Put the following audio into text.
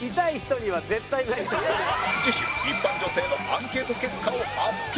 次週一般女性のアンケート結果を発表！